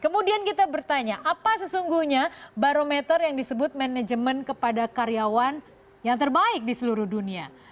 kemudian kita bertanya apa sesungguhnya barometer yang disebut manajemen kepada karyawan yang terbaik di seluruh dunia